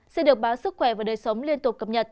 sẽ được báo sức khỏe và đời sống liên tục